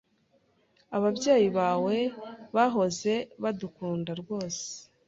Ababyeyi bawe bahoze badukunda rwose.